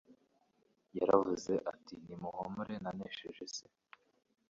Yaravuze ati :« Ni muhumure nanesheje isi' »